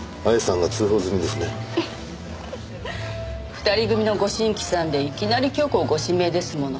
２人組のご新規さんでいきなり今日子をご指名ですもの。